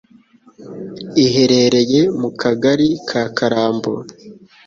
iherereye mu kagari ka Karambo